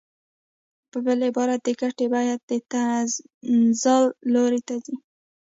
په بل عبارت د ګټې بیه د تنزل لوري ته ځي